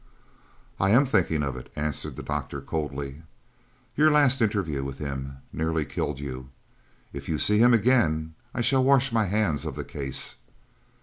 "I am thinking of it," answered the doctor coldly. "Your last interview with him nearly killed you. If you see him again I shall wash my hands of the case.